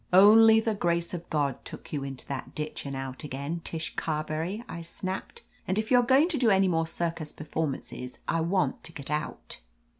"Only the grace of God took you into that ditch and out again, Tish Carberry," I snapped. "And if you are going to do any more circus performances I want to get out.''